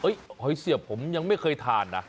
หอยเสียบผมยังไม่เคยทานนะ